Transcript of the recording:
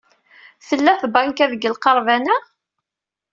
Tella tbanka deg lqerban-a?